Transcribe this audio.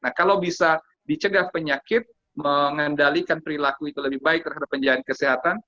nah kalau bisa dicegah penyakit mengendalikan perilaku itu lebih baik terhadap penjagaan kesehatan